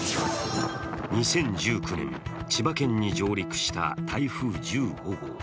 ２０１９年、千葉県に上陸した台風１５号。